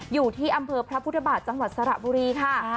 อยู่ที่อำเภอพระพุทธบาทจังหวัดสระบุรีค่ะ